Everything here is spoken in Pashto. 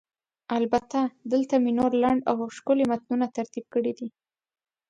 البته، دلته مې نور لنډ او ښکلي متنونه ترتیب کړي دي: